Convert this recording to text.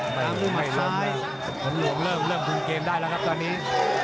หวันหลวงเริ่มทุนเกมได้แล้วครับตอนนี้